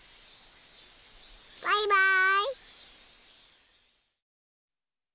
バイバーイ。